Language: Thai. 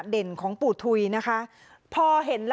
ดูหน้าปู่ถุยกันหน่อยค่ะ